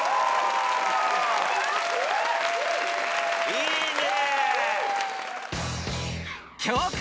いいね！